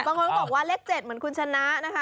บางคนก็บอกว่าเลข๗เหมือนคุณชนะนะคะ